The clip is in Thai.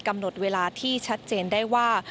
กำหนดเวลาที่ชัดเจนได้ว่า